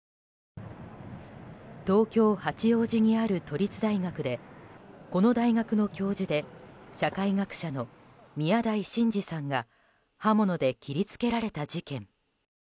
東京・八王子にある都立大学でこの大学の教授で社会学者の宮台真司さんが刃物で切り付けられた事件。